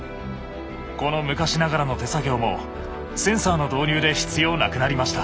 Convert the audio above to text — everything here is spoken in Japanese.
この昔ながらの手作業もセンサーの導入で必要なくなりました。